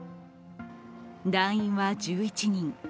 団員は１１人。